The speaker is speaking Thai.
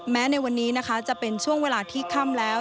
ในวันนี้นะคะจะเป็นช่วงเวลาที่ค่ำแล้ว